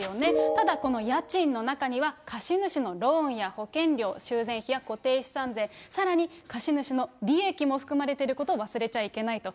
ただこの家賃の中には、貸主のローンや保険料、修繕費や固定資産税、さらに貸主の利益も含まれていることも忘れちゃいけないと。